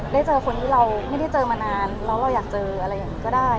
เจอคนที่เราไม่ได้เจอมานานแล้วเราอยากเจออะไรอย่างนี้ก็ได้